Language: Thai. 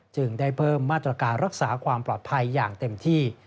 จึงได้เพิ่มมาตรการรักษาความปลอดภัยอย่างเต็มที่